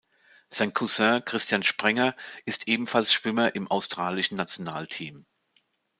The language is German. Sein Cousin Christian Sprenger ist ebenfalls Schwimmer im australischen Nationalteam.